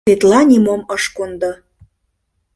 Тетла нимом ыш кондо.